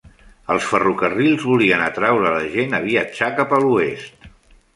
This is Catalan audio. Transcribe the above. Els ferrocarrils volien atraure la gent a viatjar cap a l'oest.